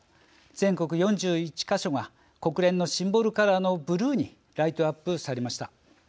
全国４１か所が国連のシンボルカラーのブルーにライトアップされました。